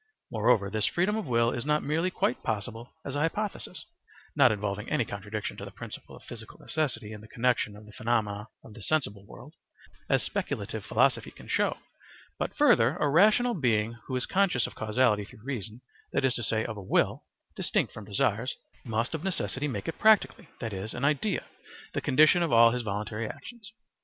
Moreover, this freedom of will is not merely quite possible as a hypothesis (not involving any contradiction to the principle of physical necessity in the connexion of the phenomena of the sensible world) as speculative philosophy can show: but further, a rational being who is conscious of causality through reason, that is to say, of a will (distinct from desires), must of necessity make it practically, that is, in idea, the condition of all his voluntary actions.